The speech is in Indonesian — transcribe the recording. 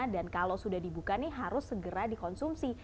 dan kalau sudah dibuka ini harus segera dikonsumsi